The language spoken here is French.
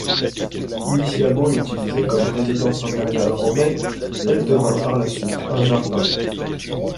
Initialement utilisée comme résidence impériale romaine, elle devint par la suite un jardin.